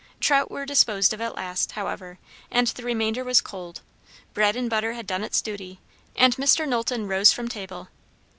Trout were disposed of at last, however, and the remainder was cold; bread and butter had done its duty; and Mr. Knowlton rose from table.